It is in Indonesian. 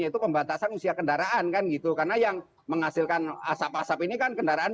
yaitu pembatasan usia kendaraan kan gitu karena yang menghasilkan asap asap ini kan kendaraan